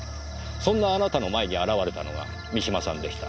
そんなあなたの前に現れたのが三島さんでした。